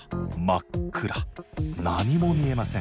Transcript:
何も見えません。